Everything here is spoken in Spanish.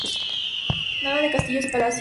Nada de castillos y palacios.